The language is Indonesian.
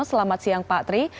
selamat siang pak tri